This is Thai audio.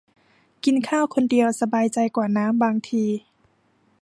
กินข้าวคนเดียวสบายใจกว่านะ บางที